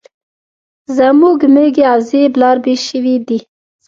زموږ ميږي او وزې برالبې شوې دي